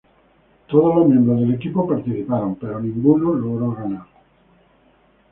Todos los miembros del equipo participaron, pero ninguno logró ganar.